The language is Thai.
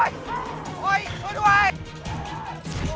อยู่แล้ว